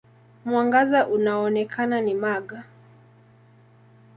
Mwangaza unaoonekana ni mag.